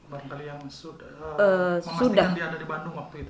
banyak kali yang sudah memastikan dia ada di bandung waktu itu